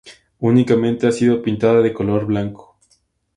Únicamente ha sido pintada de color blanco.